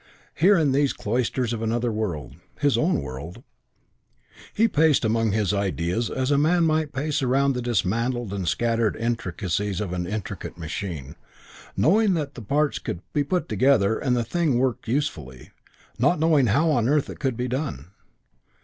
Here, in these cloisters of another world his own world he paced among his ideas as a man might pace around the dismantled and scattered intricacies of an intricate machine, knowing the parts could be put together and the thing worked usefully, not knowing how on earth it could be done....